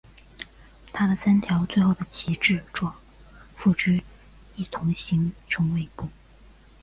它的三条最后的旗帜状附肢一同形成尾部。